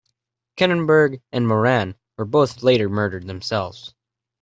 Kinniburgh and Moran were both later murdered themselves.